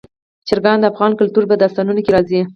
چرګان د افغان کلتور په داستانونو کې راځي.